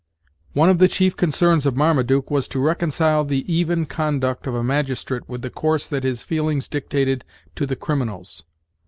One of the chief concerns of Marmaduke was to reconcile the even conduct of a magistrate with the course that his feelings dictated to the criminals.